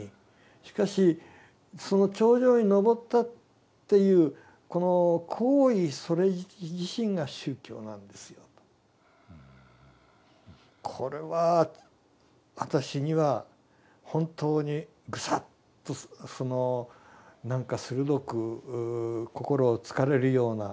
しかしその頂上に登ったっていうこの行為それ自身が宗教なんですよ」と。これは私には本当にグサッとそのなんか鋭くこころを突かれるような言葉でした。